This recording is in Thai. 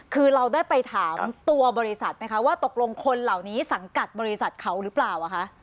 คือเราได้ไปถามตัวบริษัทไหมคะว่าตกลงคนเหล่านี้สังกัดบริษัทเขาหรือเปล่าคะ